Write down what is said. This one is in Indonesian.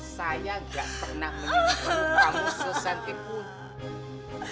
saya gak pernah menipu kamu sesentipun